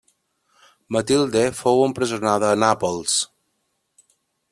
Matilde fou empresonada a Nàpols.